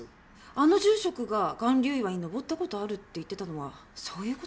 あの住職が巌流岩に登った事あるって言ってたのはそういう事か。